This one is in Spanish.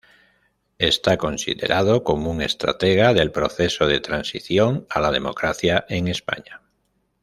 Está considerado como un estratega del proceso de transición a la democracia en España.